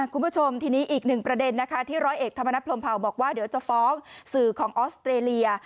คุณผู้ชมทีนี้อีกหนึ่งประเด็นนะคะที่ร้อยเอกธรรมนัฐพรมเผาบอกว่าเดี๋ยวจะฟ้องสื่อของออสเตรเลีย